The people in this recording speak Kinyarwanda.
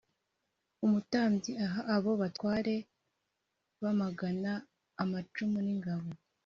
Umutambyi aha abo batware b amagana amacumu n ingabo